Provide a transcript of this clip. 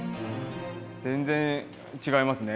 全然違いますね。